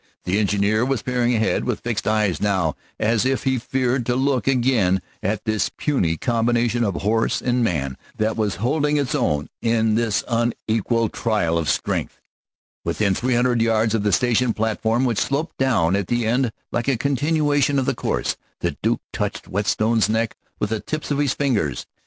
The engineer was peering ahead with fixed eyes now, as if he feared to look again on this puny combination of horse and man that was holding its own in this unequal trial of strength. Within three hundred yards of the station platform, which sloped down at the end like a continuation of the course, the Duke touched old Whetstone's neck with the tips of his fingers.